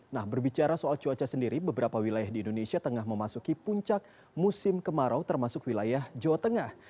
nah berbicara soal cuaca sendiri beberapa wilayah di indonesia tengah memasuki puncak musim kemarau termasuk wilayah jawa tengah